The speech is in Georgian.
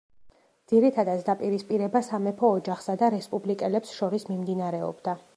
ძირითადად დაპირისპირება სამეფო ოჯახსა და რესპუბლიკელებს შორის მიმდინარეობდა.